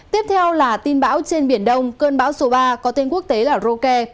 tiếp theo là tin báo trên biển đông cơn báo số ba có tên quốc tế là roke